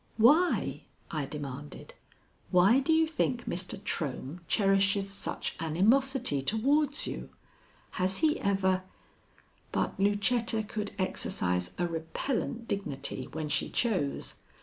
"Why?" I demanded. "Why do you think Mr. Trohm cherishes such animosity towards you? Has he ever " But Lucetta could exercise a repellent dignity when she chose.